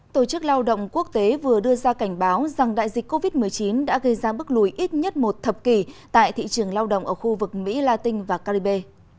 tổ chức lao động quốc tế vừa đưa ra cảnh báo rằng đại dịch covid một mươi chín đã gây ra bước lùi ít nhất một thập kỷ tại thị trường lao động ở khu vực mỹ latin và caribe